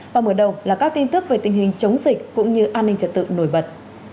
và mở đầu là các tin tức về tình hình chống dịch cũng như an ninh trật tự nổi bật